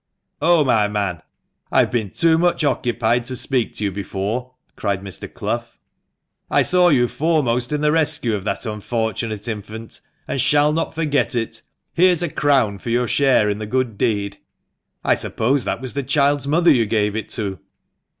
" Oh, my man, I've been too much occupied to speak to you before," cried Mr. Clough. "I saw you foremost in the rescue of that unfortunate infant, and shall not forget it. Here is a crown for your share in the good deed. I suppose that was the child's mother you gave it to